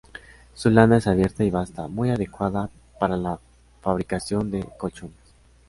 Su lana es abierta y basta, muy adecuada para la fabricación de colchones.